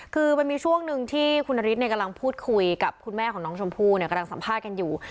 คือมันมีช่วงหนึ่งที่คุณนฤทธิ์กำลังพูดคุยกับคุณแม่ของน้องชมพู่เนี่ยกำลังสัมภาษณ์กันอยู่